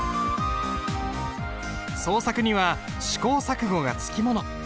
創作には試行錯誤が付き物。